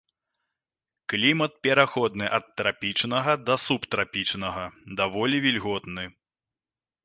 Клімат пераходны ад трапічнага да субтрапічнага, даволі вільготны.